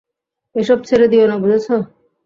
এসব ছেড়ে দিও না, বুঝেছ?